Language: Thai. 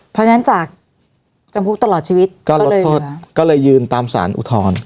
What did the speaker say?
เพราะฉะนั้นจากจำคุกตลอดชีวิตก็ลดโทษก็เลยยืนตามสารอุทธรณ์